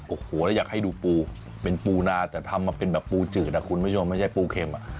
โอ้โหแล้วอยากให้ดูปูเป็นปูนาแต่ทำมาเป็นแบบปูจืดอ่ะคุณผู้ชมไม่ใช่ปูเข็มอ่ะ